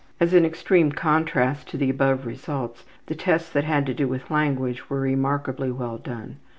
As an extreme contrast to the above results, the tests that had to do with language were remarkably well done.